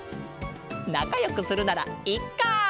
なかよくするならいっか！